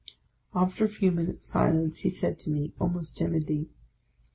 " After a few minutes' silence, he said to me, almost tim idly.